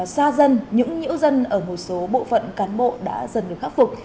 xa dân những nhiễu dân ở một số bộ phận cán bộ đã dần được khắc phục